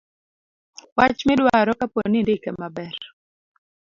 wach midwaro kapo ni indike maber